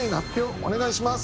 お願いします。